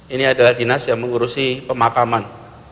ini adalah dinas yang mengurusi pemakaman